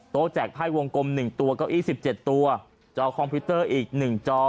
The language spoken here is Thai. แจกไพ่วงกลม๑ตัวเก้าอี้๑๗ตัวจอคอมพิวเตอร์อีก๑จอ